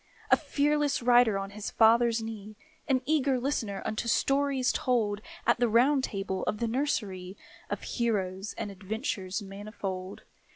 A fearless rider on his father's knee, An eager listener unto stories told At the Round Table of the nursery, Of heroes and adventures manifold.